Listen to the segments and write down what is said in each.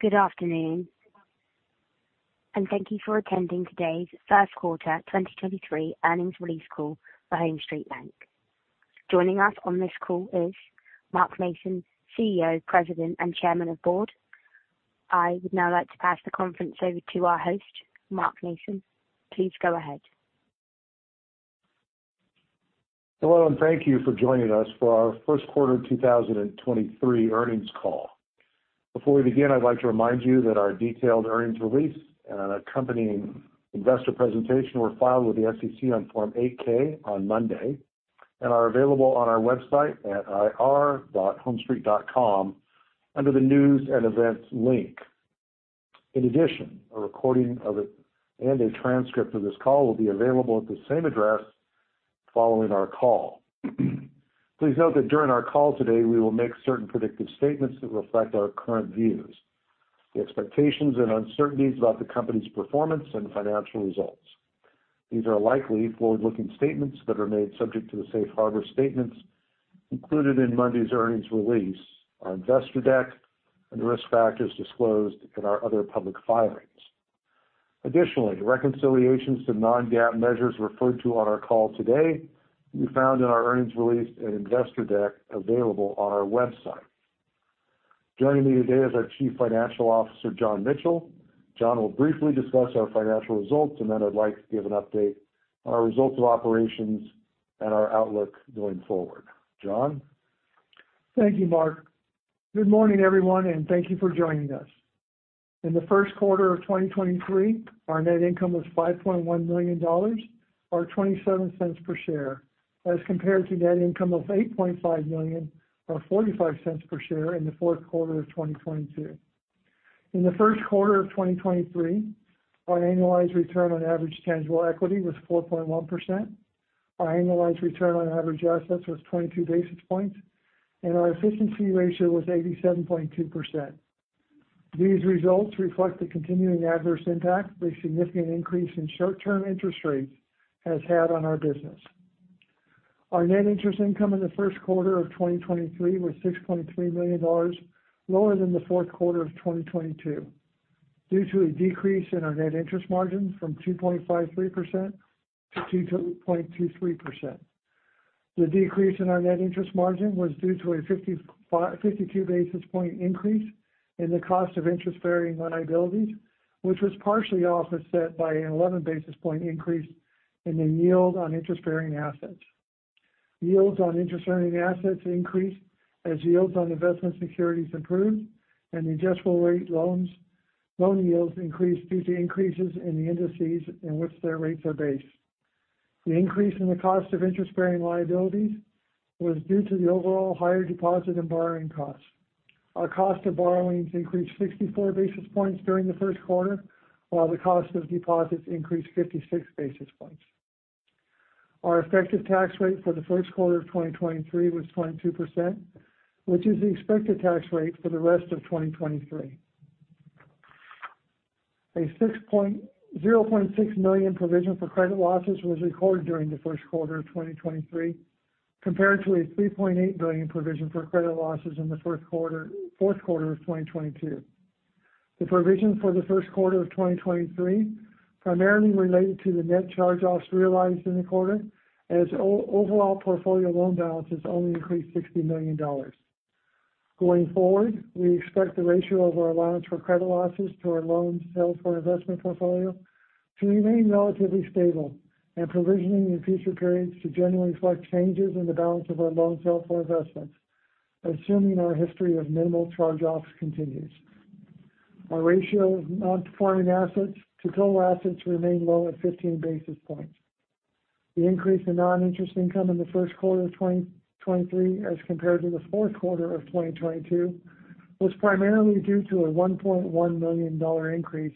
Good afternoon, and thank you for attending today's First Quarter 2023 Earnings Release Call for HomeStreet Bank. Joining us on this call is Mark Mason, CEO, President, and Chairman of Board. I would now like to pass the conference over to our host, Mark Mason. Please go ahead. Hello, thank you for joining us for our first quarter 2023 earnings call. Before we begin, I'd like to remind you that our detailed earnings release and accompanying investor presentation were filed with the SEC on Form 8-K on Monday and are available on our website at ir.homestreet.com under the News & Events link. In addition, a recording of it and a transcript of this call will be available at the same address following our call. Please note that during our call today, we will make certain predictive statements that reflect our current views, the expectations and uncertainties about the company's performance and financial results. These are likely forward-looking statements that are made subject to the safe harbor statements included in Monday's earnings release, our investor deck, and the risk factors disclosed in our other public filings. Reconciliations to non-GAAP measures referred to on our call today can be found in our earnings release and investor deck available on our website. Joining me today is our Chief Financial Officer, John Michel. John will briefly discuss our financial results, and then I'd like to give an update on our results of operations and our outlook going forward. John? Thank you, Mark. Good morning, everyone, thank you for joining us. In the first quarter of 2023, our net income was $5.1 million or $0.27 per share as compared to net income of $8.5 million or $0.45 per share in the fourth quarter of 2022. In the first quarter of 2023, our annualized return on average tangible equity was 4.1%. Our Annualized Return on Average Assets was 22 basis points, and our efficiency ratio was 87.2%. These results reflect the continuing adverse impact the significant increase in short-term interest rates has had on our business. Our net interest income in the first quarter of 2023 was $6.3 million, lower than the fourth quarter of 2022 due to a decrease in our net interest margin from 2.53% to 2.23%. The decrease in our net interest margin was due to a 52 basis point increase in the cost of interest-bearing liabilities, which was partially offset by an 11 basis point increase in the yield on interest-bearing assets. Yields on interest-earning assets increased as yields on investment securities improved and the adjustable rate loan yields increased due to increases in the indices in which their rates are based. The increase in the cost of interest-bearing liabilities was due to the overall higher deposit and borrowing costs. Our cost of borrowings increased 64 basis points during the first quarter, while the cost of deposits increased 56 basis points. Our effective tax rate for the first quarter of 2023 was 22%, which is the expected tax rate for the rest of 2023. A 0.6 million provision for credit losses was recorded during the first quarter of 2023 compared to a $3.8 million provision for credit losses in the fourth quarter of 2022. The provision for the first quarter of 2023 primarily related to the net charge-offs realized in the quarter as overall portfolio loan balances only increased $60 million. Going forward, we expect the ratio of our allowance for credit losses to our loans held for investment portfolio to remain relatively stable and provisioning in future periods to generally reflect changes in the balance of our loans held for investments, assuming our history of minimal charge-offs continues. Our ratio of non-performing assets to total assets remained low at 15 basis points. The increase in non-interest income in the first quarter of 2023 as compared to the fourth quarter of 2022 was primarily due to a $1.1 million increase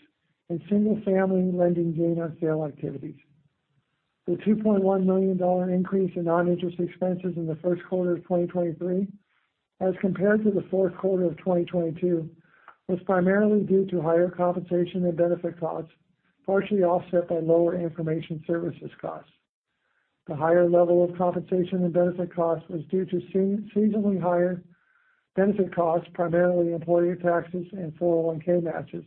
in single-family lending gain on sale activities. The $2.1 million increase in non-interest expenses in the first quarter of 2023 as compared to the fourth quarter of 2022 was primarily due to higher compensation and benefit costs, partially offset by lower information services costs. The higher level of compensation and benefit costs was due to seasonally higher benefit costs, primarily employee taxes and 401(k) matches,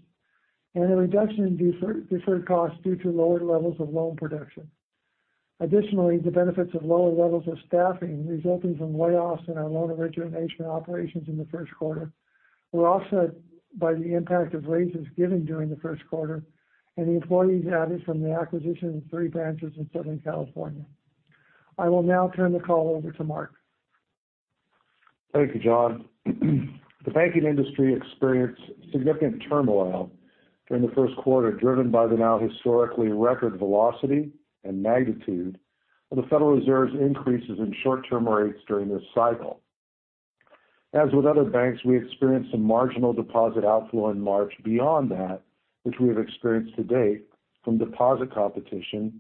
and a reduction in deferred costs due to lower levels of loan production. Additionally, the benefits of lower levels of staffing resulting from layoffs in our loan origination operations in the first quarter were offset by the impact of raises given during the first quarter and the employees added from the acquisition of three branches in Southern California. I will now turn the call over to Mark. Thank you, John. The banking industry experienced significant turmoil during the 1st quarter, driven by the now historically record velocity and magnitude of the Federal Reserve's increases in short-term rates during this cycle. As with other banks, we experienced some marginal deposit outflow in March beyond that which we have experienced to date from deposit competition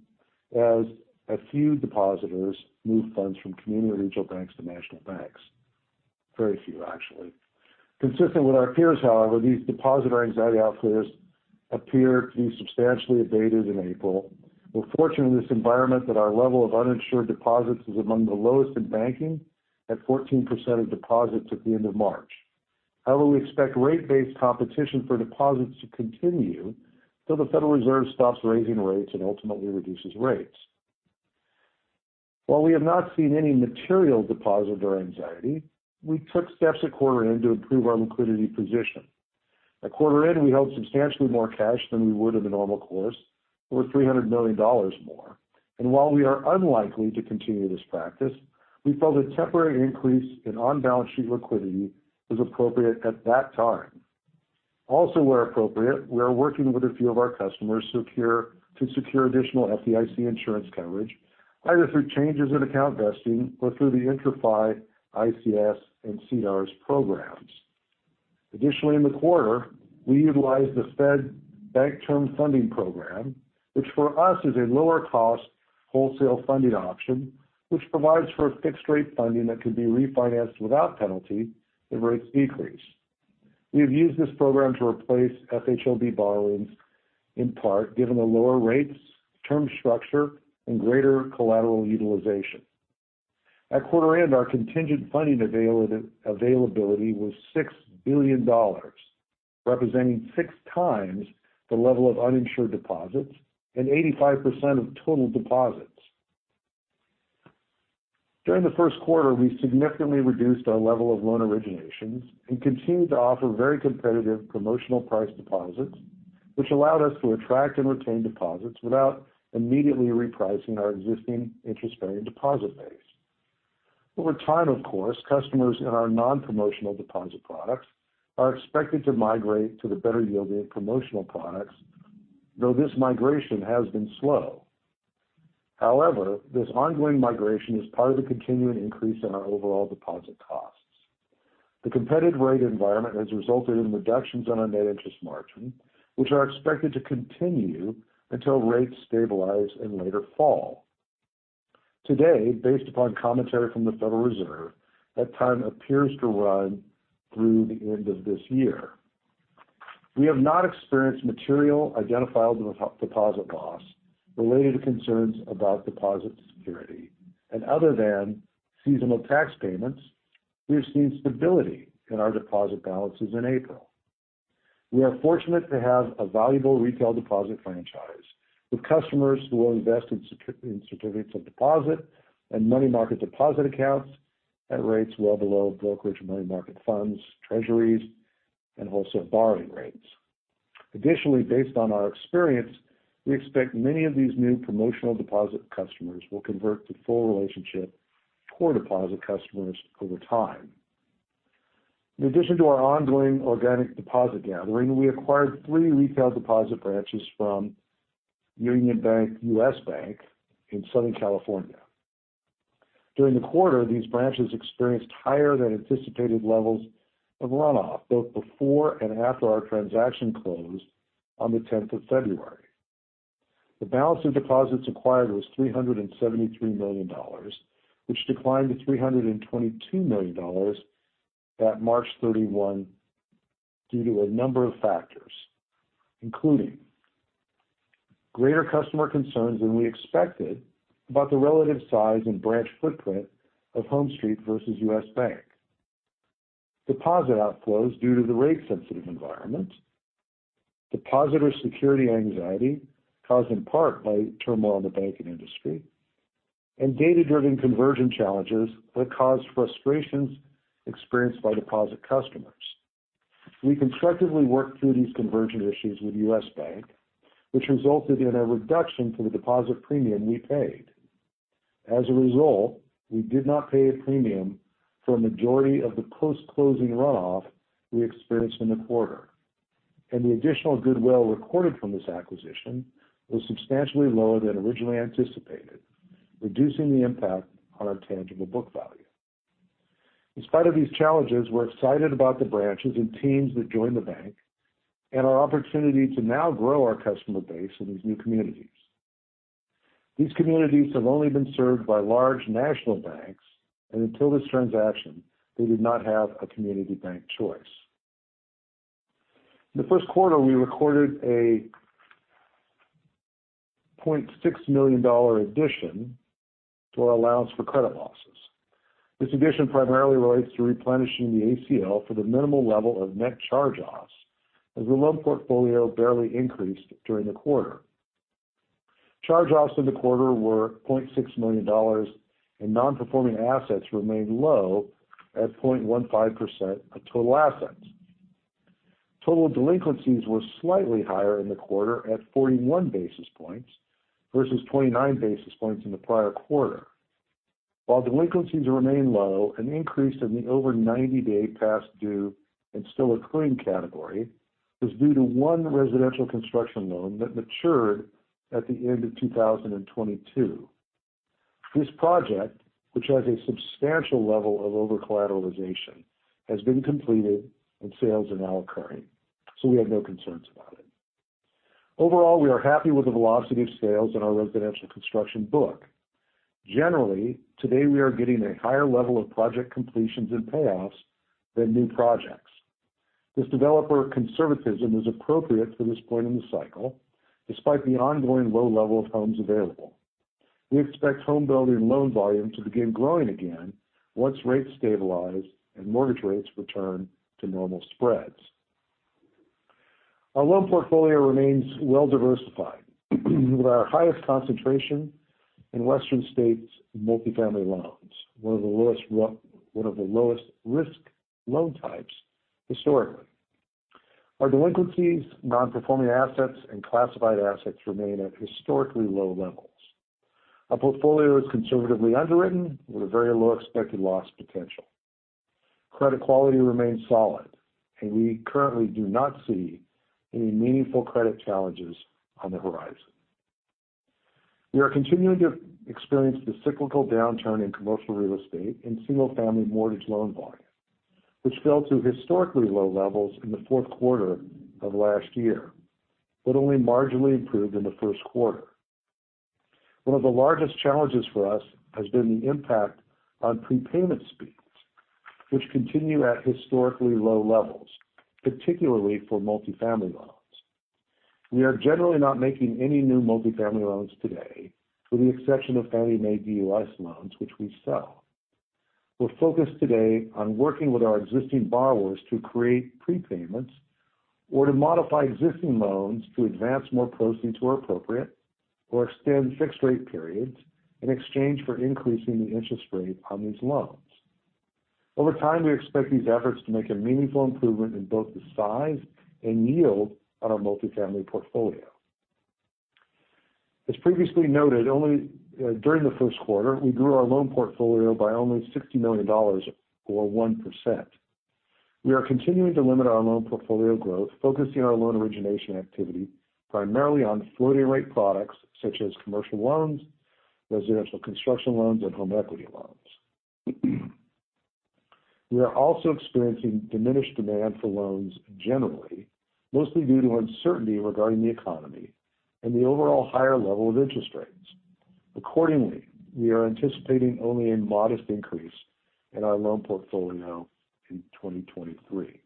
as a few depositors moved funds from community regional banks to national banks. Very few actually. Consistent with our peers, however, these depositor anxiety outflows appear to be substantially abated in April. We're fortunate in this environment that our level of uninsured deposits is among the lowest in banking at 14% of deposits at the end of March. We expect rate-based competition for deposits to continue till the Federal Reserve stops raising rates and ultimately reduces rates. While we have not seen any material deposit or anxiety, we took steps at quarter end to improve our liquidity position. At quarter end, we held substantially more cash than we would in the normal course, over $300 million more. While we are unlikely to continue this practice, we felt a temporary increase in on-balance sheet liquidity was appropriate at that time. Also, where appropriate, we are working with a few of our customers to secure additional FDIC insurance coverage, either through changes in account vesting or through the IntraFi ICS and CDARS programs. Additionally, in the quarter, we utilized the Fed Bank Term Funding Program, which for us is a lower cost wholesale funding option, which provides for a fixed rate funding that can be refinanced without penalty if rates decrease. We have used this program to replace FHLB borrowings in part, given the lower rates, term structure, and greater collateral utilization. At quarter end, our contingent funding availability was $6 billion, representing six times the level of uninsured deposits and 85% of total deposits. During the first quarter, we significantly reduced our level of loan originations and continued to offer very competitive promotional price deposits, which allowed us to attract and retain deposits without immediately repricing our existing interest-bearing deposit base. Over time, of course, customers in our non-promotional deposit products are expected to migrate to the better yielding promotional products, though this migration has been slow. This ongoing migration is part of the continuing increase in our overall deposit costs. The competitive rate environment has resulted in reductions on our net interest margin, which are expected to continue until rates stabilize in later fall. Today, based upon commentary from the Federal Reserve, that time appears to run through the end of this year. We have not experienced material identifiable deposit loss related to concerns about deposit security. Other than seasonal tax payments, we've seen stability in our deposit balances in April. We are fortunate to have a valuable retail deposit franchise with customers who will invest in certificates of deposit and money market deposit accounts at rates well below brokerage money market funds, treasuries, and wholesale borrowing rates. Additionally, based on our experience, we expect many of these new promotional deposit customers will convert to full relationship core deposit customers over time. In addition to our ongoing organic deposit gathering, we acquired three retail deposit branches from Union Bank, U.S. Bank in Southern California. During the quarter, these branches experienced higher than anticipated levels of runoff, both before and after our transaction closed on the 10th of February. The balance of deposits acquired was $373 million, which declined to $322 million at March 31 due to a number of factors, including greater customer concerns than we expected about the relative size and branch footprint of HomeStreet versus U.S. Bank. Deposit outflows due to the rate sensitive environment. Depositor security anxiety caused in part by turmoil in the banking industry, and data-driven conversion challenges that caused frustrations experienced by deposit customers. We constructively worked through these conversion issues with U.S. Bank, which resulted in a reduction to the deposit premium we paid. As a result, we did not pay a premium for a majority of the post-closing runoff we experienced in the quarter. The additional goodwill recorded from this acquisition was substantially lower than originally anticipated, reducing the impact on our tangible book value. In spite of these challenges, we're excited about the branches and teams that joined the bank and our opportunity to now grow our customer base in these new communities. These communities have only been served by large national banks. Until this transaction, they did not have a community bank choice. In the first quarter, we recorded a $0.6 million addition to our allowance for credit losses. This addition primarily relates to replenishing the ACL for the minimal level of net charge-offs, as the loan portfolio barely increased during the quarter. Charge-offs in the quarter were $0.6 million, and non-performing assets remained low at 0.15% of total assets. Total delinquencies were slightly higher in the quarter at 41 basis points versus 29 basis points in the prior quarter. While delinquencies remain low, an increase in the over 90-day past due and still accruing category was due to one residential construction loan that matured at the end of 2022. This project, which has a substantial level of over-collateralization, has been completed and sales are now occurring, so we have no concerns about it. Overall, we are happy with the velocity of sales in our residential construction book. Generally, today we are getting a higher level of project completions and payoffs than new projects. This developer conservatism is appropriate for this point in the cycle despite the ongoing low level of homes available. We expect home building loan volume to begin growing again once rates stabilize and mortgage rates return to normal spreads. Our loan portfolio remains well diversified, with our highest concentration in western states multifamily loans, one of the lowest risk loan types historically. Our delinquencies, non-performing assets and classified assets remain at historically low levels. Our portfolio is conservatively underwritten with a very low expected loss potential. Credit quality remains solid. We currently do not see any meaningful credit challenges on the horizon. We are continuing to experience the cyclical downturn in commercial real estate and single-family mortgage loan volume, which fell to historically low levels in the fourth quarter of last year, but only marginally improved in the first quarter. One of the largest challenges for us has been the impact on prepayment speeds, which continue at historically low levels, particularly for multifamily loans. We are generally not making any new multifamily loans today, with the exception of Fannie Mae DUS loans, which we sell. We're focused today on working with our existing borrowers to create prepayments or to modify existing loans to advance more proceeds where appropriate or extend fixed-rate periods in exchange for increasing the interest rate on these loans. Over time, we expect these efforts to make a meaningful improvement in both the size and yield on our multifamily portfolio. As previously noted, during the first quarter, we grew our loan portfolio by only $60 million or 1%. We are continuing to limit our loan portfolio growth, focusing our loan origination activity primarily on floating rate products such as commercial loans, residential construction loans, and home equity loans. We are also experiencing diminished demand for loans generally, mostly due to uncertainty regarding the economy and the overall higher level of interest rates. Accordingly, we are anticipating only a modest increase in our loan portfolio in 2023.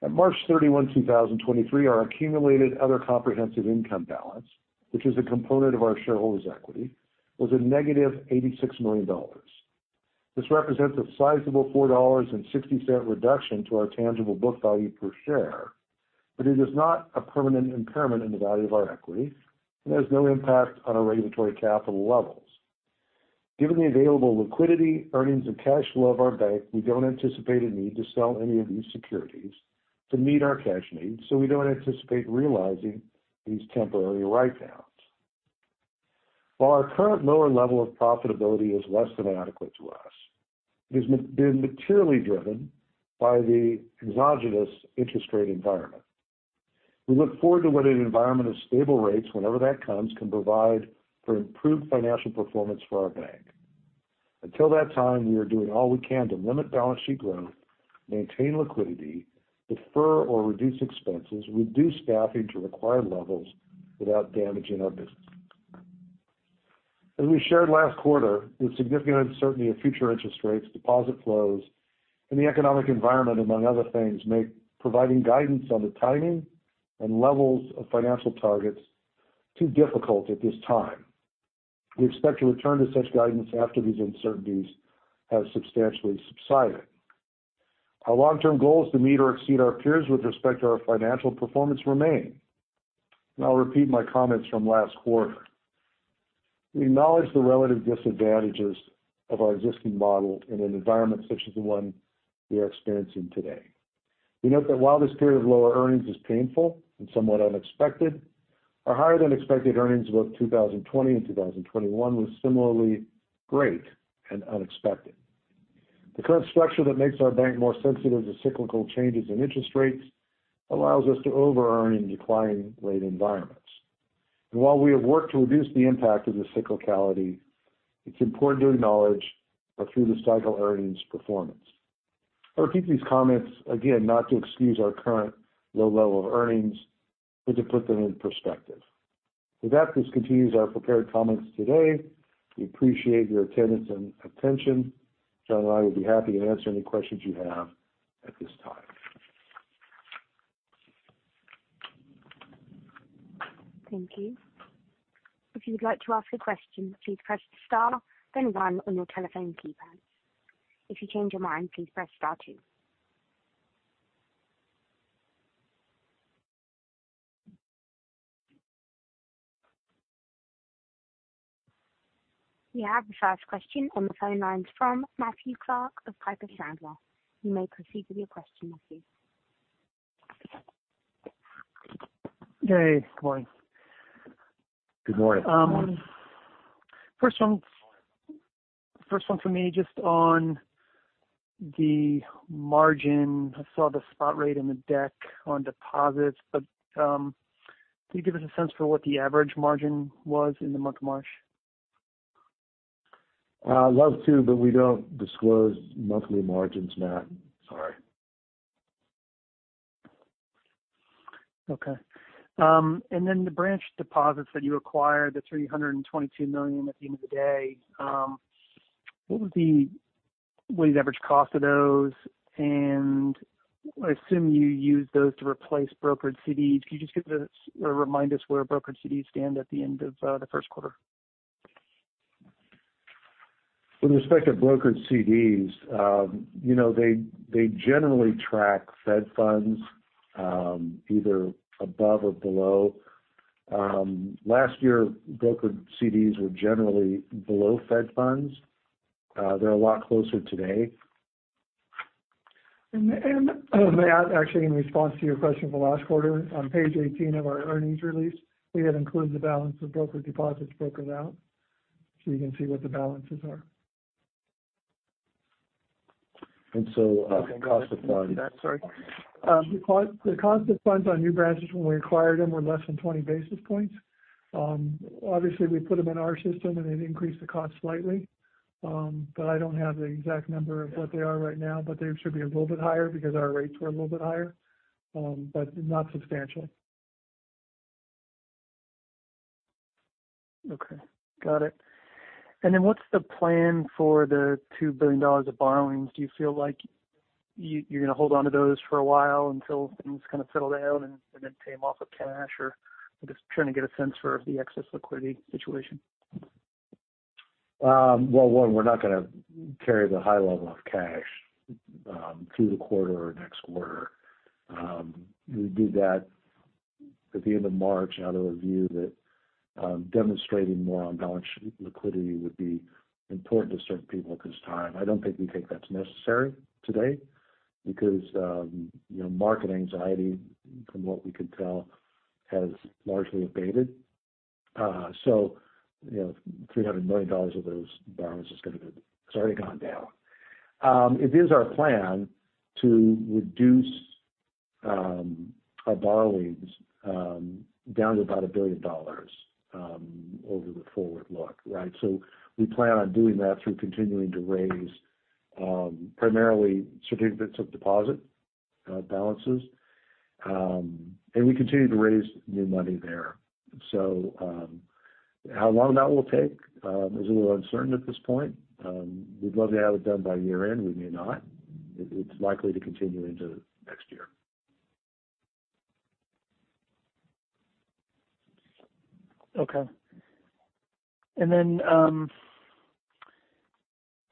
At March 31, 2023, our accumulated other comprehensive income balance, which is a component of our shareholders equity, was a negative $86 million. This represents a sizable $4.60 reduction to our tangible book value per share, but it is not a permanent impairment in the value of our equity and has no impact on our regulatory capital levels. Given the available liquidity, earnings, and cash flow of our bank, we don't anticipate a need to sell any of these securities to meet our cash needs, so we don't anticipate realizing these temporary write-downs. While our current lower level of profitability is less than adequate to us, it has been materially driven by the exogenous interest rate environment. We look forward to what an environment of stable rates, whenever that comes, can provide for improved financial performance for our bank. Until that time, we are doing all we can to limit balance sheet growth, maintain liquidity, defer or reduce expenses, reduce staffing to required levels without damaging our business. As we shared last quarter, the significant uncertainty of future interest rates, deposit flows, and the economic environment, among other things, make providing guidance on the timing and levels of financial targets too difficult at this time. We expect to return to such guidance after these uncertainties have substantially subsided. Our long-term goal is to meet or exceed our peers with respect to our financial performance remain. I'll repeat my comments from last quarter. We acknowledge the relative disadvantages of our existing model in an environment such as the one we are experiencing today. We note that while this period of lower earnings is painful and somewhat unexpected, our higher-than-expected earnings growth, 2020 and 2021 was similarly great and unexpected. The current structure that makes our bank more sensitive to cyclical changes in interest rates allows us to over earn in declining rate environments. While we have worked to reduce the impact of the cyclicality, it's important to acknowledge our through-the-cycle earnings performance. I repeat these comments again not to excuse our current low level of earnings, but to put them in perspective. With that, this concludes our prepared comments today. We appreciate your attendance and attention. John and I will be happy to answer any questions you have at this time. Thank you. If you would like to ask a question, please press star then one on your telephone keypad. If you change your mind, please press star two. We have the first question on the phone lines from Matthew Clark of Piper Sandler. You may proceed with your question, Matthew. Hey, good morning. Good morning. First one for me, just on the margin. I saw the spot rate in the deck on deposits, can you give us a sense for what the average margin was in the month of March? I'd love to, but we don't disclose monthly margins, Matt. Okay. The branch deposits that you acquired, the $322 million at the end of the day, what was the weighted average cost of those? I assume you used those to replace brokered CDs. Could you just give us or remind us where brokered CDs stand at the end of the first quarter? With respect to brokered CDs, you know, they generally track Fed funds, either above or below. Last year, brokered CDs were generally below Fed funds. They're a lot closer today. May I add actually in response to your question from last quarter. On page 18 of our earnings release, we have included the balance of brokered deposits broken out, so you can see what the balances are. The cost of funds. Okay. Got it. I can see that. Sorry. The cost of funds on new branches when we acquired them were less than 20 basis points. Obviously we put them in our system, and it increased the cost slightly. I don't have the exact number of what they are right now, but they should be a little bit higher because our rates were a little bit higher, but not substantial. Okay. Got it. Then what's the plan for the $2 billion of borrowings? Do you feel like you're gonna hold on to those for a while until things kind of settle down and then pay them off with cash? I'm just trying to get a sense for the excess liquidity situation. Well, one, we're not gonna carry the high level of cash through the quarter or next quarter. We did that at the end of March out of a view that demonstrating more on-balance sheet liquidity would be important to certain people at this time. I don't think we think that's necessary today because, you know, market anxiety, from what we can tell, has largely abated. You know, $300 million of those borrowings is gonna be it's already gone down. It is our plan to reduce our borrowings down to about $1 billion over the forward look, right? We plan on doing that through continuing to raise primarily certificates of deposit balances. We continue to raise new money there. How long that will take is a little uncertain at this point. We'd love to have it done by year-end. We may not. It's likely to continue into next year. Okay.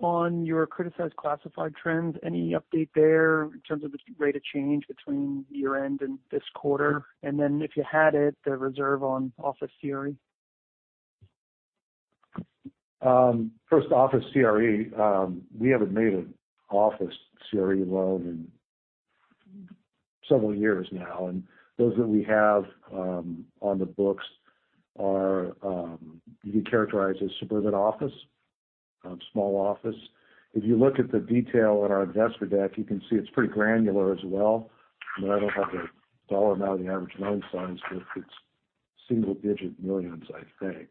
On your criticized classified trends, any update there in terms of the rate of change between year-end and this quarter? If you had it, the reserve on office CRE. First, office CRE. We haven't made an office CRE loan in several years now, and those that we have, on the books are, you can characterize as suburban office, small office. If you look at the detail on our investor deck, you can see it's pretty granular as well. I don't have the dollar amount of the average loan size, but it's single-digit millions, I think.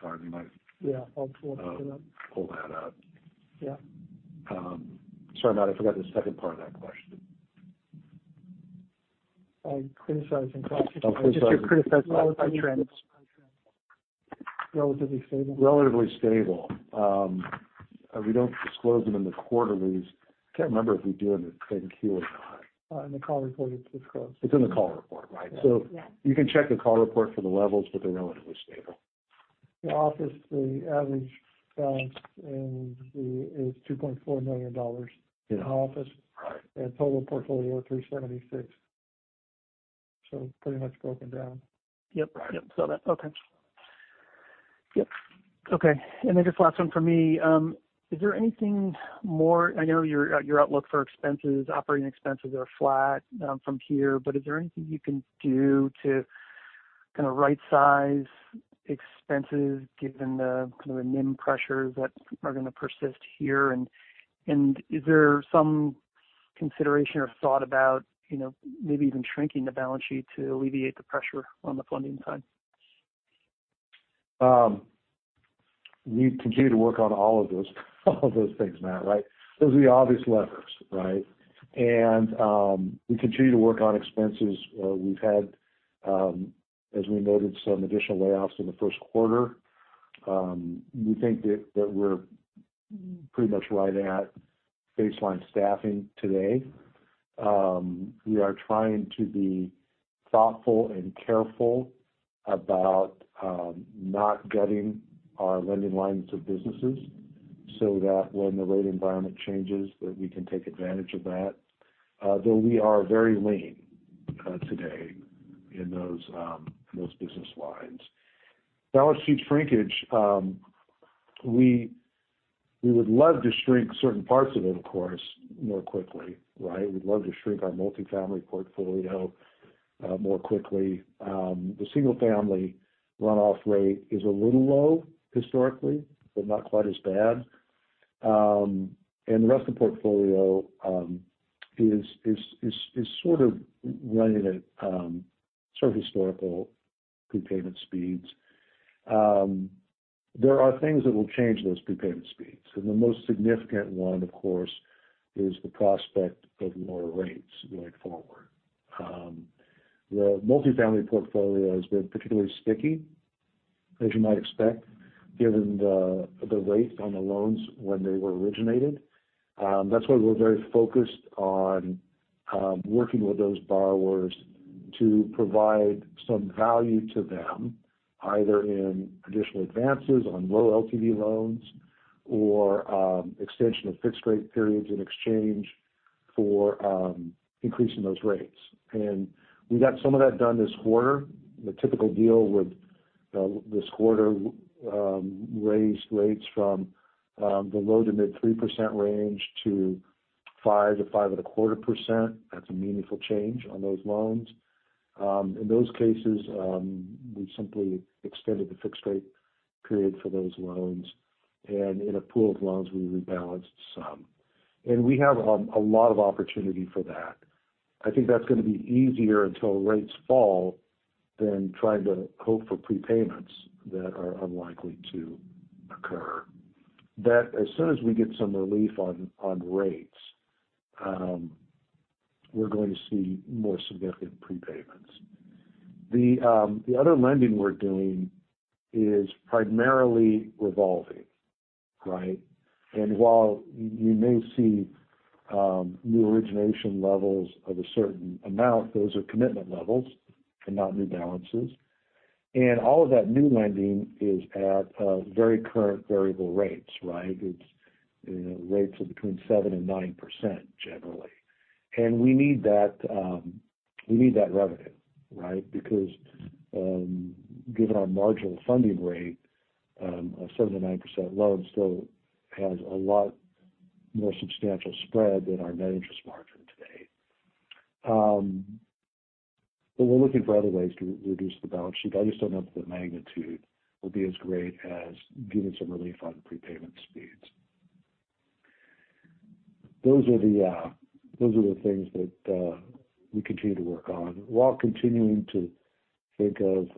Charlie might. Yeah. I'll pull it up. Pull that up. Yeah. Sorry, Matt, I forgot the second part of that question. On criticizing costs. Oh, criticizing-. Just your criticized trends. Relatively stable. Relatively stable. We don't disclose them in the quarterlies. I can't remember if we do in the 10-Q or not. In the call report it's disclosed. It's in the call report, right? Yeah. You can check the call report for the levels, but they're relatively stable. The office, the average balance in is $2.4 million in office. Right. Total portfolio, $376. Pretty much broken down. Yep. Yep. Saw that. Okay. Yep. Okay. Just last one from me. Is there anything more I know your outlook for expenses, operating expenses are flat from here. Is there anything you can do to kind of right-size expenses given the kind of NIM pressures that are gonna persist here? Is there some consideration or thought about, you know, maybe even shrinking the balance sheet to alleviate the pressure on the funding side? We continue to work on all of those things, Matt, right? Those are the obvious levers, right? We continue to work on expenses. We've had, as we noted, some additional layoffs in the first quarter. We think that we're pretty much right at baseline staffing today. We are trying to be thoughtful and careful about not gutting our lending lines to businesses so that when the rate environment changes, that we can take advantage of that. Though we are very lean today in those in those business lines. Balance sheet shrinkage, we would love to shrink certain parts of it, of course, more quickly, right? We'd love to shrink our multifamily portfolio more quickly. The single-family runoff rate is a little low historically, but not quite as bad. The rest of the portfolio is sort of running at sort of historical prepayment speeds. There are things that will change those prepayment speeds. The most significant one, of course, is the prospect of more rates going forward. The multifamily portfolio has been particularly sticky, as you might expect, given the rates on the loans when they were originated. That's why we're very focused on working with those borrowers to provide some value to them, either in additional advances on low LTV loans or extension of fixed rate periods in exchange for increasing those rates. We got some of that done this quarter. The typical deal with this quarter raised rates from the low to mid 3% range to 5%-5.25%. That's a meaningful change on those loans. In those cases, we simply extended the fixed rate period for those loans, and in a pool of loans we rebalanced some. We have a lot of opportunity for that. I think that's gonna be easier until rates fall than trying to hope for prepayments that are unlikely to occur. That as soon as we get some relief on rates, we're going to see more significant prepayments. The other lending we're doing is primarily revolving, right? While you may see new origination levels of a certain amount, those are commitment levels and not new balances. All of that new lending is at very current variable rates, right? It's, you know, rates are between 7% and 9% generally. We need that, we need that revenue, right? Given our marginal funding rate, a 7%-9% loan still has a lot more substantial spread than our net interest margin today. We're looking for other ways to reduce the balance sheet. I just don't know if the magnitude will be as great as getting some relief on prepayment speeds. Those are the things that we continue to work on while continuing to think of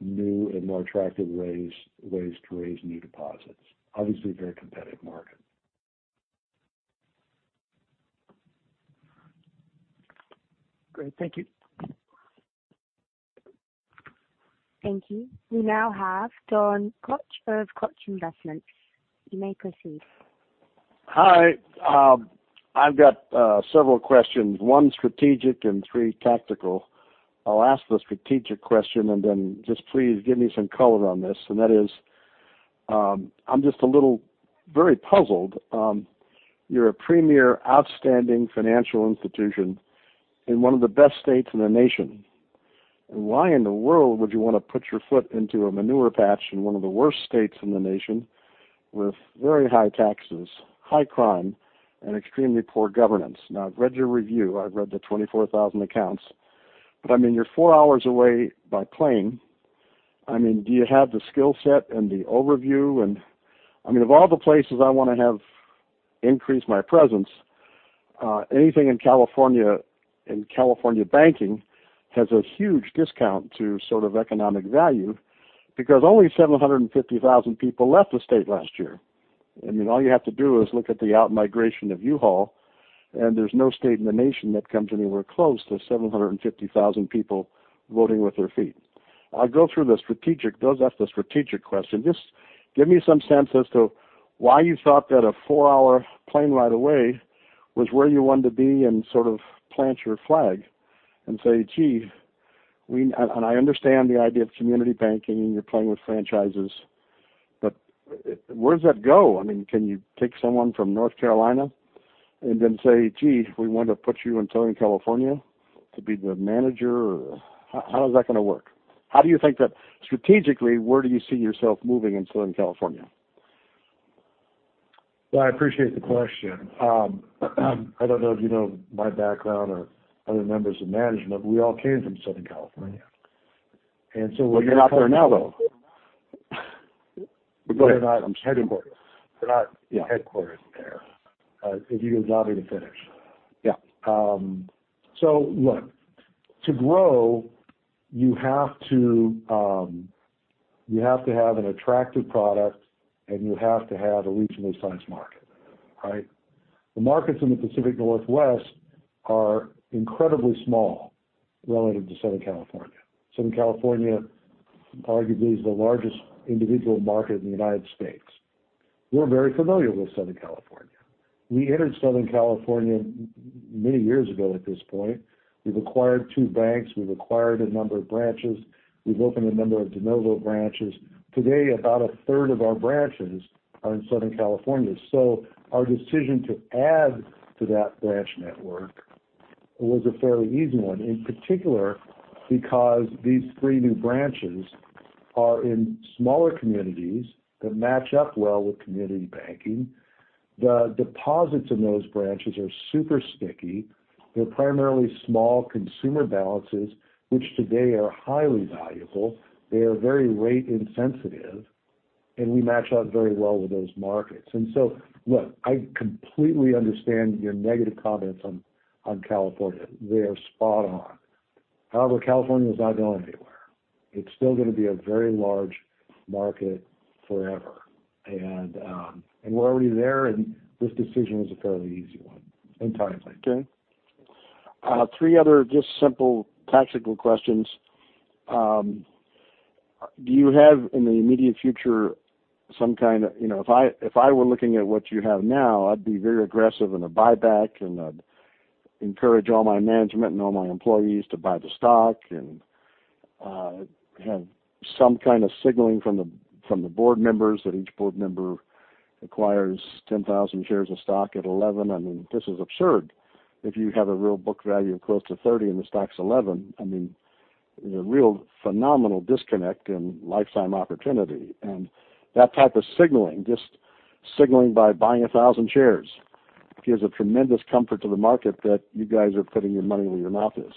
new and more attractive ways to raise new deposits. Obviously a very competitive market. Great. Thank you. Thank you. We now have Don Koch of Koch Investments. You may proceed. Hi. I've got several questions. One strategic and three tactical. I'll ask the strategic question, and then just please give me some color on this, and that is, I'm just a little very puzzled. You're a premier, outstanding financial institution in one of the best states in the nation. Why in the world would you wanna put your foot into a manure patch in one of the worst states in the nation with very high taxes, high crime, and extremely poor governance? Now, I've read your review. I've read the 24,000 accounts. I mean, you're four hours away by plane. I mean, do you have the skill set and the overview? I mean, of all the places I wanna have increased my presence, anything in California, in California banking has a huge discount to sort of economic value because only 750,000 people left the state last year. I mean, all you have to do is look at the out-migration of U-Haul, and there's no state in the nation that comes anywhere close to 750,000 people voting with their feet. I'll ask the strategic question. Just give me some sense as to why you thought that a four-hour plane ride away was where you wanted to be and sort of plant your flag and say, "Gee, we..." I understand the idea of community banking and you're playing with franchises, but where does that go? I mean, can you take someone from North Carolina and then say, "Gee, we want to put you in Southern California to be the manager?" How is that gonna work? How do you think strategically, where do you see yourself moving in Southern California? Well, I appreciate the question. I don't know if you know my background or other members of management. We all came from Southern California. You're not there now, though. Go ahead. You're not headquarters. Yeah. Headquartered there. If you would allow me to finish. Yeah. Look, to grow, you have to have an attractive product, and you have to have a reasonably sized market, right? The markets in the Pacific Northwest are incredibly small relative to Southern California. Southern California arguably is the largest individual market in the United States. We're very familiar with Southern California. We entered Southern California many years ago at this point. We've acquired two banks. We've acquired a number of branches. We've opened a number of de novo branches. Today, about a third of our branches are in Southern California. Our decision to add to that branch network was a fairly easy one. In particular, because these three new branches are in smaller communities that match up well with community banking. The deposits in those branches are super sticky. They're primarily small consumer balances, which today are highly valuable. They are very rate insensitive. We match up very well with those markets. Look, I completely understand your negative comments on California. They are spot on. However, California is not going anywhere. It's still gonna be a very large market forever. We're already there, and this decision was a fairly easy one and timely. Okay. three other just simple tactical questions. Do you have, in the immediate future, some kind of. You know, if I were looking at what you have now, I'd be very aggressive in a buyback, and I'd encourage all my management and all my employees to buy the stock and have some kind of signaling from the board members that each board member acquires 10,000 shares of stock at $11. I mean, this is absurd. If you have a real book value of close to $30 and the stock's $11, I mean, there's a real phenomenal disconnect and lifetime opportunity. That type of signaling, just signaling by buying 1,000 shares, gives a tremendous comfort to the market that you guys are putting your money where your mouth is.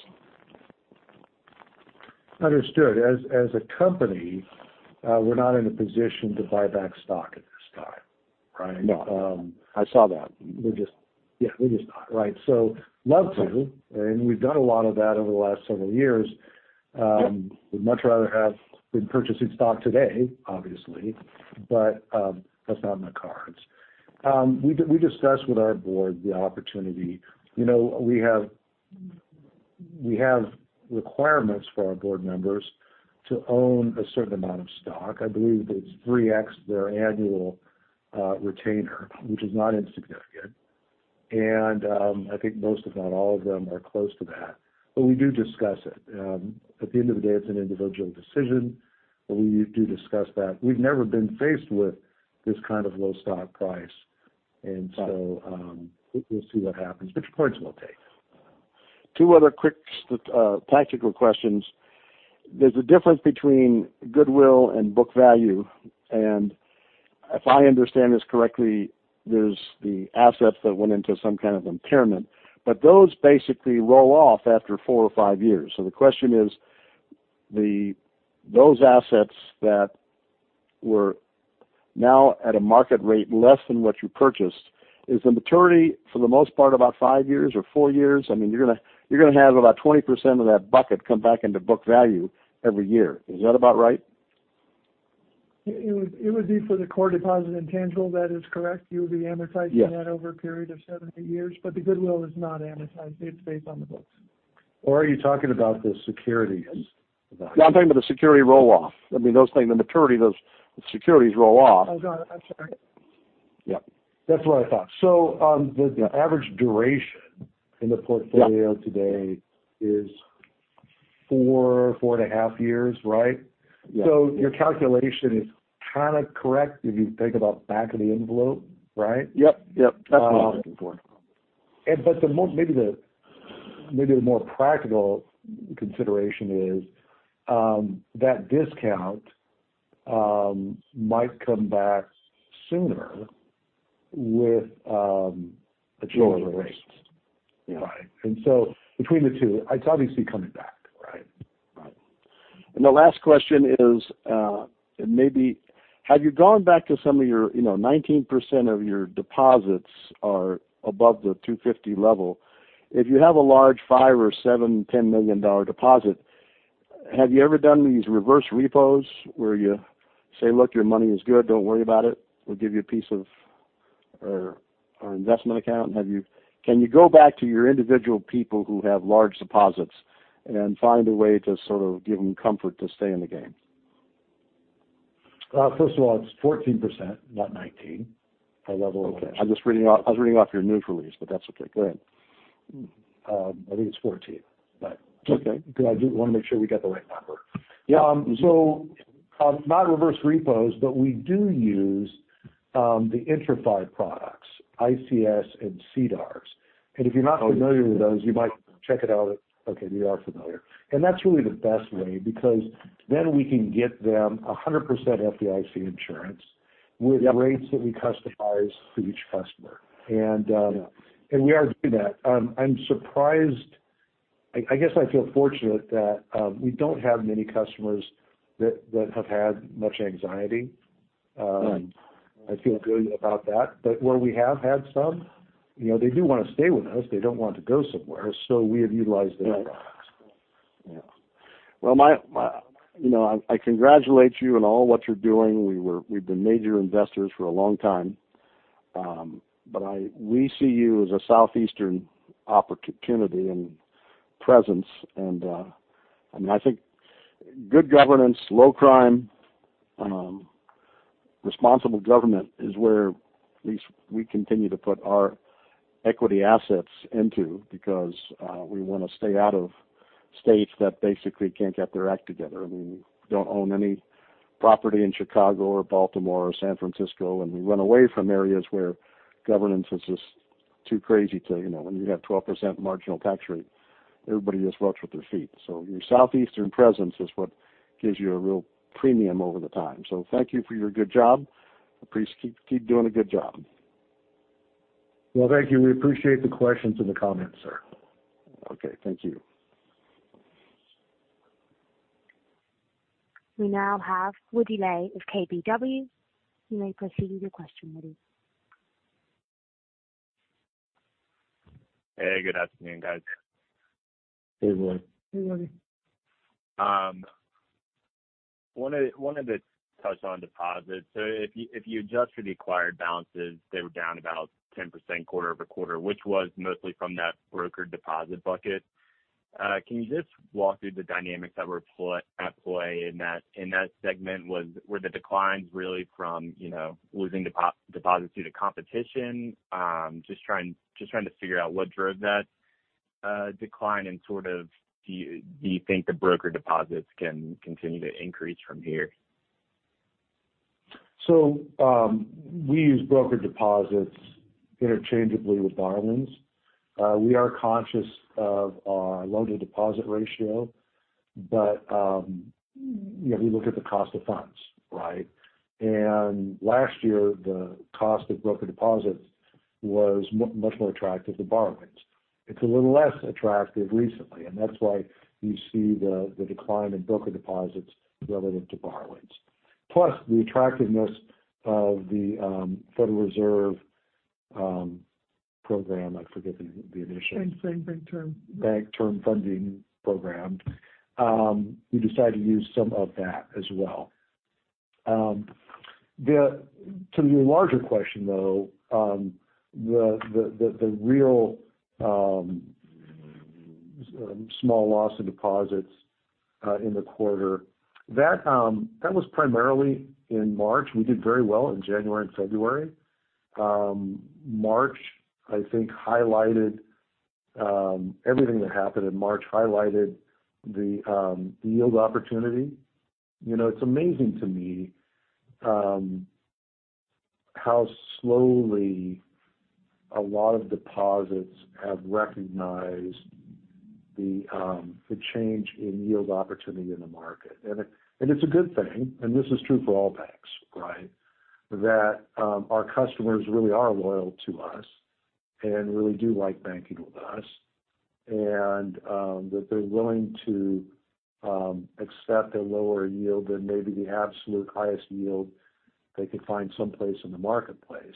Understood. As a company, we're not in a position to buy back stock at this time. Right? No. I saw that. We're just... Yeah, we're just not. Right. Love to, and we've done a lot of that over the last several years. Yep. We'd much rather have been purchasing stock today, obviously. That's not in the cards. We discussed with our board the opportunity. You know, we have, we have requirements for our board members to own a certain amount of stock. I believe it's 3x their annual retainer, which is not insignificant. I think most, if not all of them, are close to that. We do discuss it. At the end of the day, it's an individual decision, but we do discuss that. We've never been faced with this kind of low stock price. We'll see what happens. Your point's well taken. Two other quick tactical questions. There's a difference between goodwill and book value. If I understand this correctly, there's the assets that went into some kind of impairment. Those basically roll off after four or five years. The question is, those assets that were now at a market rate less than what you purchased, is the maturity for the most part about five years or four years? I mean, you're gonna have about 20% of that bucket come back into book value every year. Is that about right? It would be for the core deposit intangible, that is correct. Yeah. That over a period of seven to eight years. The goodwill is not amortized. It's based on the books. Are you talking about the securities? No, I'm talking about the security roll-off. I mean, those things, the maturity of those securities roll off. Oh, got it. I'm sorry. Yep. That's what I thought. The average duration in the portfolio-. Yeah. Today is four and a half years, right? Yeah. Your calculation is kinda correct if you think about back of the envelope, right? Yep, yep. That's what I'm asking for. The more practical consideration is that discount might come back sooner with a change in rates. Sure. Yeah. Right? Between the two, it's obviously coming back, right? Right. The last question is, maybe have you gone back to some of your, you know, 19% of your deposits are above the $250 level. If you have a large $5 million or $7 million, $10 million deposit, have you ever done these reverse repos where you say, "Look, your money is good. Don't worry about it. We'll give you an investment account?" Can you go back to your individual people who have large deposits and find a way to sort of give them comfort to stay in the game? First of all, it's 14%, not 19%, our level. Okay. I was reading off your news release, but that's okay. Go ahead. I think it's 14%. Okay. Because I do want to make sure we got the right number. Yeah. not reverse repos, but we do use, the IntraFi products, ICS and CDARS. If you're not familiar- Oh. With those, you might check it out. Okay, you are familiar. That's really the best way because then we can get them 100% FDIC insurance with rates- Yep. That we customize for each customer. Yeah. We are doing that. I'm surprised. I guess I feel fortunate that we don't have many customers that have had much anxiety. Right. I feel good about that. Where we have had some, you know, they do wanna stay with us. They don't want to go somewhere, we have utilized that product. Yeah. Well, my, you know, I congratulate you on all what you're doing. We've been major investors for a long time. We see you as a Southeastern opportunity and presence. I mean, I think good governance, low crime, responsible government is where at least we continue to put our equity assets into because we wanna stay out of states that basically can't get their act together. I mean, we don't own any property in Chicago or Baltimore or San Francisco, we run away from areas where governance is just too crazy to, you know. When you have 12% marginal tax rate, everybody just votes with their feet. Your Southeastern presence is what gives you a real premium over the time. Thank you for your good job. Keep doing a good job. Well, thank you. We appreciate the questions and the comments, sir. Okay, thank you. We now have Woody Lay of KBW. You may proceed with your question, Woody. Hey, good afternoon, guys. Hey, Woody. Hey, Woody. wanted to touch on deposits. If you adjust for the acquired balances, they were down about 10% quarter-over-quarter, which was mostly from that broker deposit bucket. Can you just walk through the dynamics that were at play in that segment? Were the declines really from, you know, losing deposits due to competition, just trying to figure out what drove that decline and sort of do you think the broker deposits can continue to increase from here? We use broker deposits interchangeably with borrowings. We are conscious of our loan-to-deposit ratio, you know, we look at the cost of funds, right? Last year, the cost of broker deposits was much more attractive to borrowings. It's a little less attractive recently, and that's why you see the decline in broker deposits relative to borrowings. Plus, the attractiveness of the Federal Reserve program, I forget the initiative. Same thing, Bank Term. Bank Term Funding Program. We decided to use some of that as well. To your larger question, though, the real small loss in deposits in the quarter, that was primarily in March. We did very well in January and February. March, I think, highlighted, everything that happened in March highlighted the yield opportunity. You know, it's amazing to me, how slowly a lot of deposits have recognized the change in yield opportunity in the market. It's a good thing, and this is true for all banks, right? Our customers really are loyal to us and really do like banking with us. That they're willing to accept a lower yield than maybe the absolute highest yield they could find someplace in the marketplace.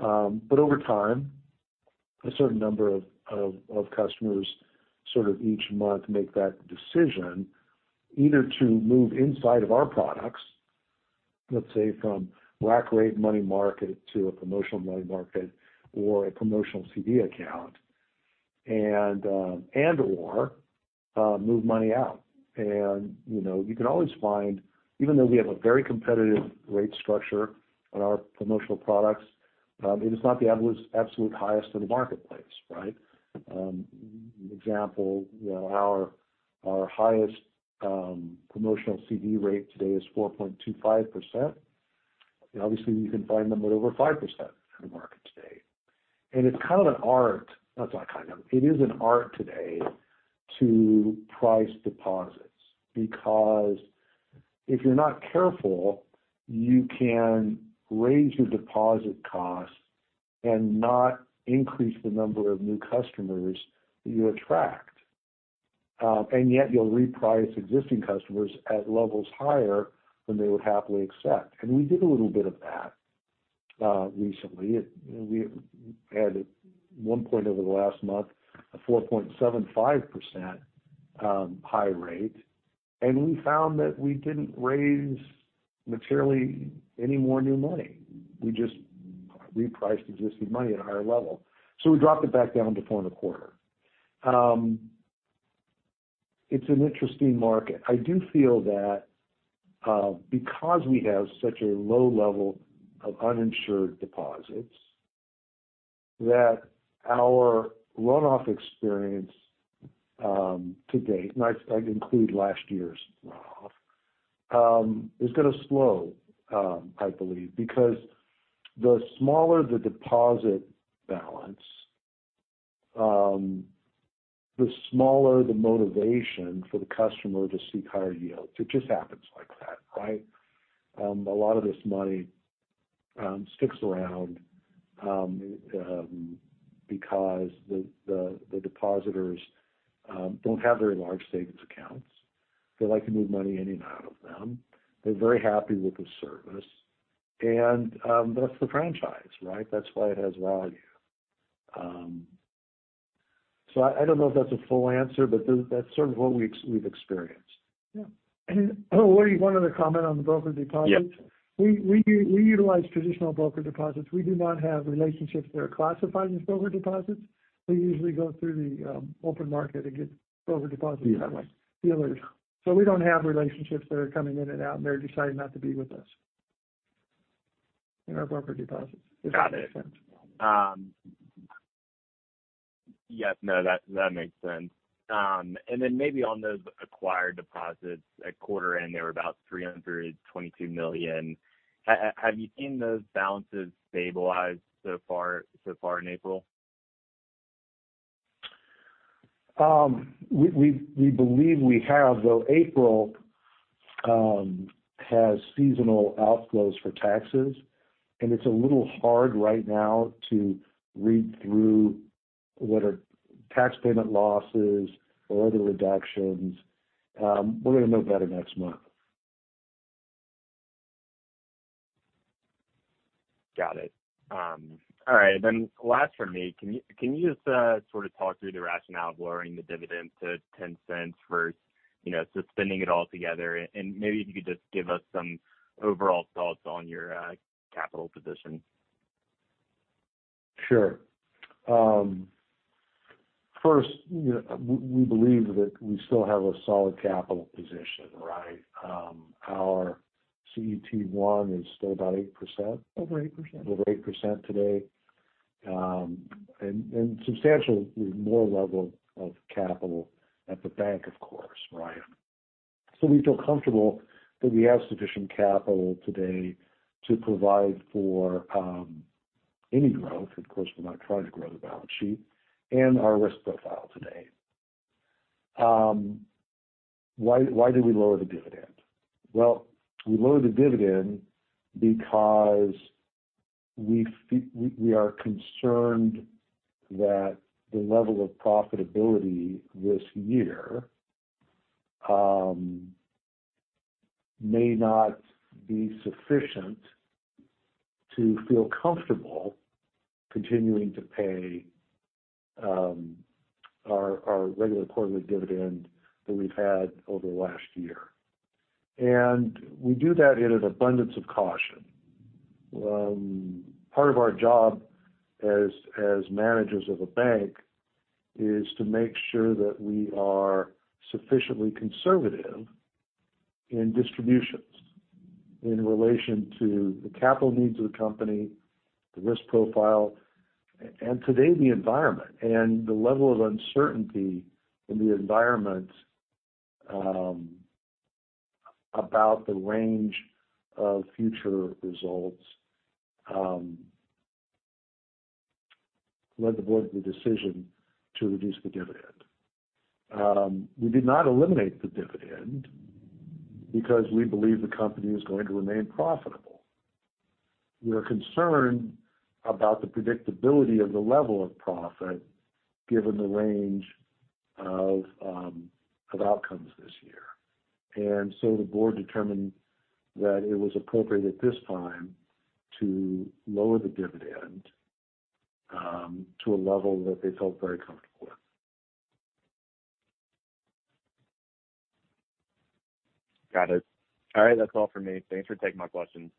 Over time, a certain number of customers sort of each month make that decision either to move inside of our products, let's say from Black Rate Money Market to a promotional money market or a promotional CD account, and/or move money out. You know, you can always find even though we have a very competitive rate structure on our promotional products, it is not the absolute highest in the marketplace, right? Example, you know, our highest promotional CD rate today is 4.25%. Obviously, you can find them at over 5% in the market today. It's kind of an art. Not kind of. It is an art today to price deposits because if you're not careful, you can raise your deposit costs and not increase the number of new customers that you attract. Yet you'll reprice existing customers at levels higher than they would happily accept. We did a little bit of that recently. We had at one point over the last month, a 4.75% high rate, and we found that we didn't raise materially any more new money. We just repriced existing money at a higher level. We dropped it back down to 4.25%. It's an interesting market. I do feel that because we have such a low level of uninsured deposits, that our runoff experience to date, and I include last year's runoff, is gonna slow, I believe. The smaller the deposit balance, the smaller the motivation for the customer to seek higher yields. It just happens like that, right? A lot of this money sticks around because the depositors don't have very large savings accounts. They like to move money in and out of them. They're very happy with the service. That's the franchise, right? That's why it has value. I don't know if that's a full answer, but that's sort of what we've experienced. Yeah. Oh, Woody, one other comment on the broker deposits. Yeah. We utilize traditional broker deposits. We do not have relationships that are classified as broker deposits. We usually go through the open market and get broker deposits that way. Dealers. We don't have relationships that are coming in and out, and they're deciding not to be with us in our broker deposits. Got it. If that makes sense. Yes, no, that makes sense. Maybe on those acquired deposits at quarter end, they were about $322 million. Have you seen those balances stabilize so far in April? We believe we have. Though April has seasonal outflows for taxes, and it's a little hard right now to read through what are tax payment losses or other reductions. We're gonna know better next month. Got it. All right last from me. Can you just sort of talk through the rationale of lowering the dividend to $0.10 versus, you know, suspending it all together? Maybe if you could just give us some overall thoughts on your capital position? Sure. first, you know, we believe that we still have a solid capital position, right? Our CET1 is still about 8%. Over 8%. Over 8% today. And substantial with more level of capital at the bank, of course, right? We feel comfortable that we have sufficient capital today to provide for any growth, of course, we're not trying to grow the balance sheet and our risk profile today. Why did we lower the dividend? Well, we lowered the dividend because we are concerned that the level of profitability this year may not be sufficient to feel comfortable continuing to pay our regular quarterly dividend that we've had over the last year. We do that in an abundance of caution. Part of our job as managers of a bank is to make sure that we are sufficiently conservative in distributions in relation to the capital needs of the company, the risk profile, and today, the environment. The level of uncertainty in the environment about the range of future results led the board to the decision to reduce the dividend. We did not eliminate the dividend because we believe the company is going to remain profitable. We are concerned about the predictability of the level of profit given the range of outcomes this year. The board determined that it was appropriate at this time to lower the dividend to a level that they felt very comfortable with. Got it. All right, that's all from me. Thanks for taking my questions.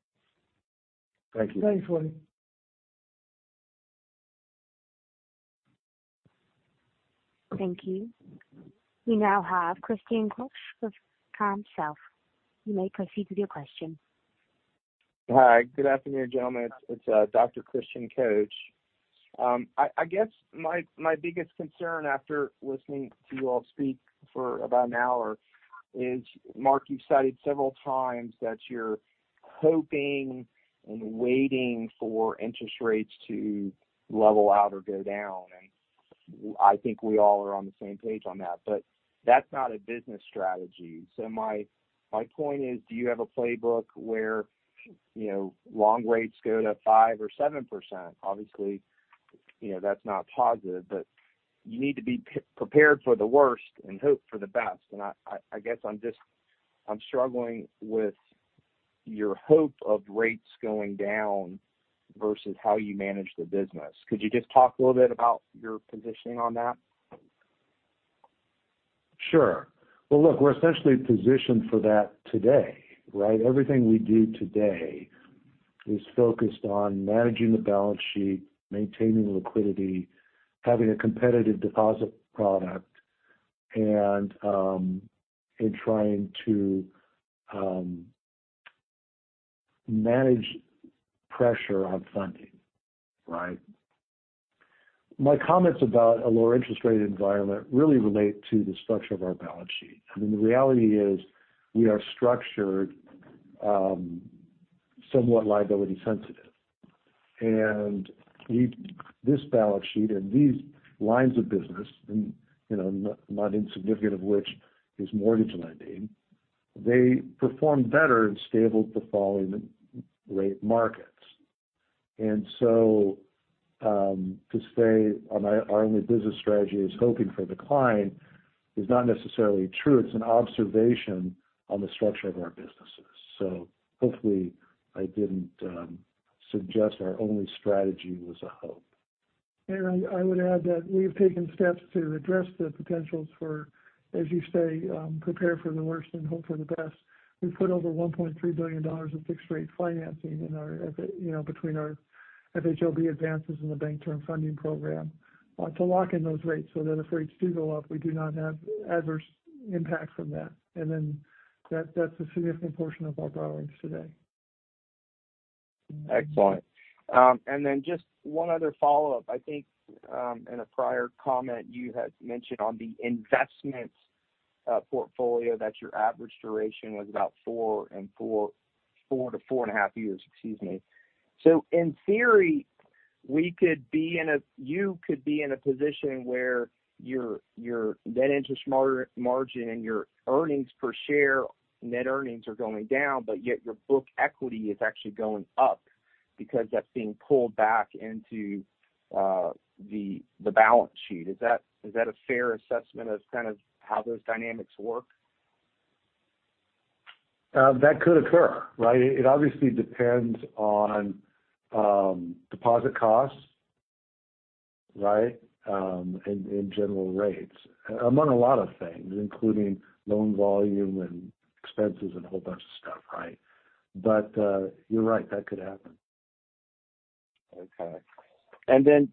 Thank you. Thanks, Woody. Thank you. We now have Christian Koch with KAM South. You may proceed with your question. Hi. Good afternoon, gentlemen. It's Dr. Christian Koch. I guess my biggest concern after listening to you all speak for about 1 hour is, Mark, you've cited several times that you're hoping and waiting for interest rates to level out or go down, and I think we all are on the same page on that. That's not a business strategy. My point is, do you have a playbook where, you know, long rates go to 5% or 7%? Obviously, you know, that's not positive. You need to be prepared for the worst and hope for the best. I guess I'm struggling with your hope of rates going down versus how you manage the business. Could you just talk a little bit about your positioning on that? Sure. Well, look, we're essentially positioned for that today, right? Everything we do today is focused on managing the balance sheet, maintaining liquidity, having a competitive deposit product, and, in trying to manage pressure on funding, right? My comments about a lower interest rate environment really relate to the structure of our balance sheet. I mean, the reality is we are structured, somewhat liability sensitive. This balance sheet and these lines of business, and, you know, not insignificant of which is mortgage lending, they perform better and stable to fall in the rate markets. To say our only business strategy is hoping for decline is not necessarily true. It's an observation on the structure of our businesses. Hopefully I didn't suggest our only strategy was a hope. I would add that we've taken steps to address the potentials for, as you say, prepare for the worst and hope for the best. We've put over $1.3 billion of fixed rate financing in our, you know, between our FHLB advances in the Bank Term Funding Program to lock in those rates so that if rates do go up, we do not have adverse impact from that. That's a significant portion of our borrowings today. Excellent. Just one other follow-up. I think, in a prior comment you had mentioned on the investments portfolio that your average duration was about 4-4.5 years, excuse me. In theory, you could be in a position where your net interest margin and your earnings per share, net earnings are going down, yet your book equity is actually going up because that's being pulled back into the balance sheet. Is that a fair assessment of kind of how those dynamics work? That could occur, right? It obviously depends on deposit costs, right? And general rates. Among a lot of things, including loan volume and expenses and a whole bunch of stuff, right? You're right, that could happen. Okay.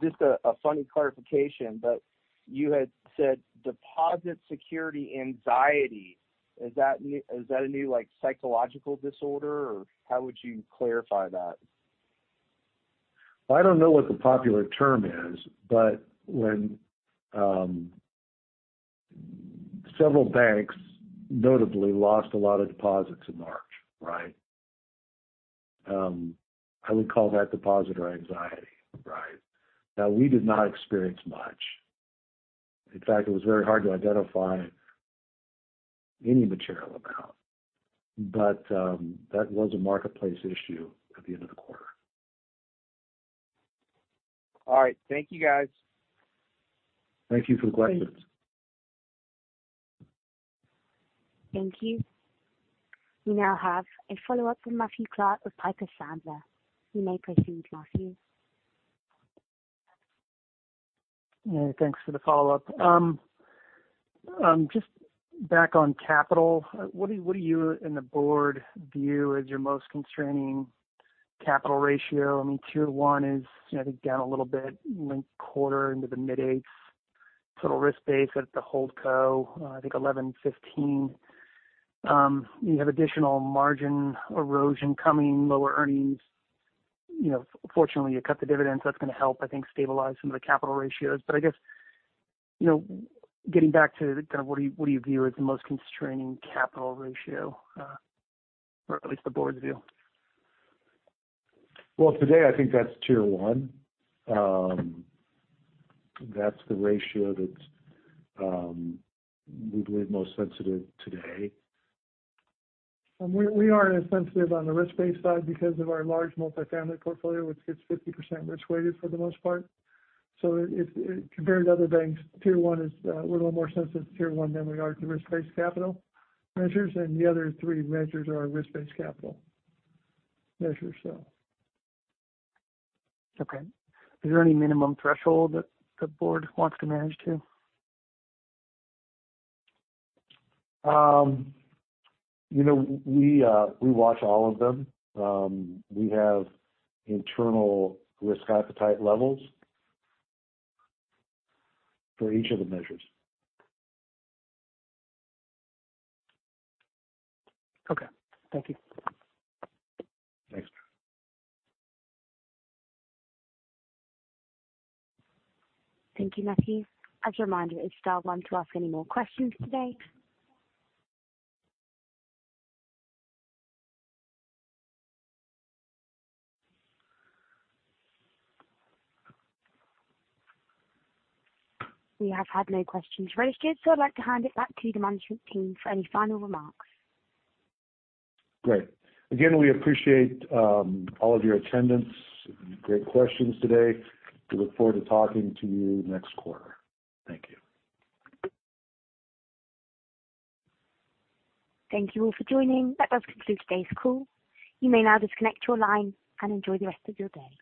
Just a funny clarification, but you had said deposit security anxiety. Is that a new, like, psychological disorder? How would you clarify that? I don't know what the popular term is, but when, several banks notably lost a lot of deposits in March, right? I would call that depositor anxiety. Right. Now we did not experience much. In fact, it was very hard to identify any material amount. That was a marketplace issue at the end of the quarter. All right. Thank you, guys. Thank you for the questions. Thank you. We now have a follow-up from Matthew Clark with Piper Sandler. You may proceed, Matthew. Yeah. Thanks for the follow-up. Just back on capital. What do you and the board view as your most constraining capital ratio? I mean, Tier 1 is, you know, down a little bit quarter into the mid-8. Total risk base at the hold co, I think 11.15%. You have additional margin erosion coming, lower earnings. You know, fortunately, you cut the dividends. That's gonna help, I think, stabilize some of the capital ratios. I guess, you know, getting back to kind of what do you view as the most constraining capital ratio, or at least the board's view? Well, today I think that's Tier 1. That's the ratio that, we believe most sensitive today. We are insensitive on the risk-based side because of our large multifamily portfolio, which gets 50% risk-weighted for the most part. Compared to other banks, Tier 1 is, we're a little more sensitive to Tier 1 than we are to risk-based capital measures, and the other three measures are risk-based capital measures, so. Okay. Is there any minimum threshold that the board wants to manage to? you know, we watch all of them. We have internal risk appetite levels for each of the measures. Okay. Thank you. Thanks. Thank you, Matthew. As a reminder, if you'd still want to ask any more questions today? We have had no questions registered, so I'd like to hand it back to the management team for any final remarks. Great. Again, we appreciate all of your attendance. Great questions today. We look forward to talking to you next quarter. Thank you. Thank you all for joining. That does conclude today's call. You may now disconnect your line and enjoy the rest of your day.